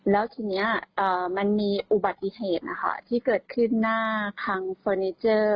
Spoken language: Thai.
แล้วทีนี้มันมีอุบัติเหตุนะคะที่เกิดขึ้นหน้าคังเฟอร์นิเจอร์